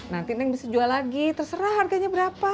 nanti neng bisa jual lagi terserah harganya apa ya emak